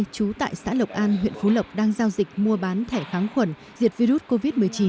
trú tại xã lộc an huyện phú lộc đang giao dịch mua bán thẻ kháng khuẩn diệt virus covid một mươi chín